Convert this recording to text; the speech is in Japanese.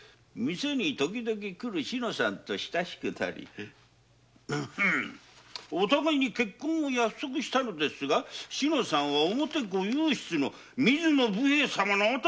「店に時々来る志乃さんと親しくなり結婚を約束したのですが志乃さんは御表御祐筆の水野武兵衛様の跡取り娘」